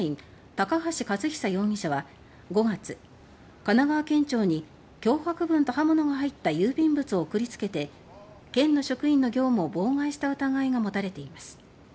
高橋和久容疑者は５月、神奈川県庁に脅迫文と刃物が入った郵便物を送り付けて県の職員の業務を妨害した疑いが持たれています。